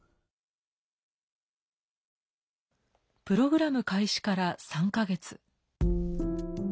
プログラム開始から３か月。